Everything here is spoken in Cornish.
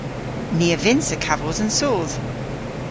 Ni a vynnsa kavos an soodh!